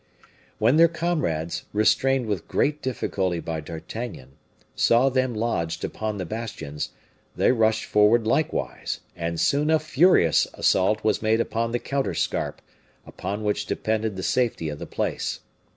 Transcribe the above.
When their comrades, restrained with great difficulty by D'Artagnan, saw them lodged upon the bastions, they rushed forward likewise; and soon a furious assault was made upon the counterscarp, upon which depended the safety of the place.